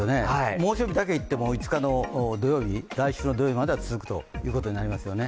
猛暑日だけいっても来週の土曜日までは続くということになりますよね。